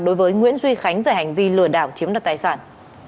đối với nguyễn duy khánh về hành vi lừa đảo chiếm đoạt tài sản